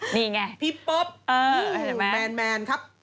นี่ไงพี่ป๊อปแมนครับ